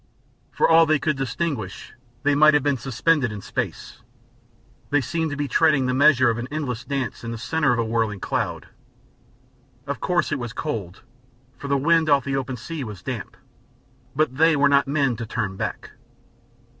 For all they could distinguish, they might have been suspended in space; they seemed to be treading the measures of an endless dance in the center of a whirling cloud. Of course it was cold, for the wind off the open sea was damp, but they were not men to turn back.